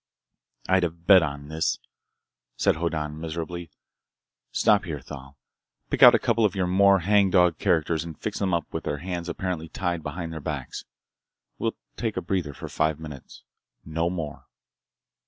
"I'd have bet on this," said Hoddan miserably. "Stop here, Thal. Pick out a couple of your more hang dog characters and fix them up with their hands apparently tied behind their backs. We take a breather for five minutes—no more."